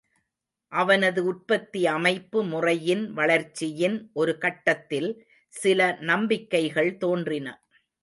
அவனது உற்பத்தி அமைப்பு முறையின் வளர்ச்சியின் ஒரு கட்டத்தில் சில நம்பிக்கைகள் தோன்றின.